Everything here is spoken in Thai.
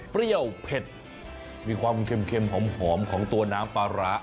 เปรี้ยวเผ็ดมีความเค็มหอมของตัวน้ำปลาร้า